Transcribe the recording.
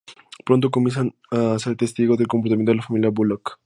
Pronto comienza a ser testigo del comportamiento de la familia Bullock.